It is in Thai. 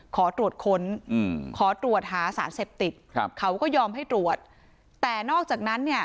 ขอตรวจค้นอืมขอตรวจหาสารเสพติดครับเขาก็ยอมให้ตรวจแต่นอกจากนั้นเนี่ย